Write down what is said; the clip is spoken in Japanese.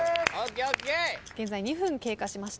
現在２分経過しました。